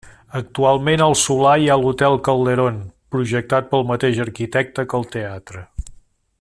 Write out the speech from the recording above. Actualment, al solar hi ha l'Hotel Calderón, projectat pel mateix arquitecte que el teatre.